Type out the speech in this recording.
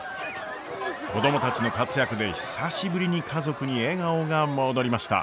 子供たちの活躍で久しぶりに家族に笑顔が戻りました。